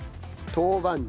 豆板醤。